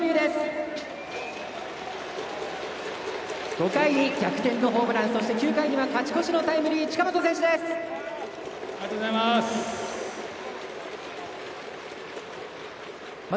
５回に逆転のホームランそして９回には勝ち越しのタイムリーありがとうございます。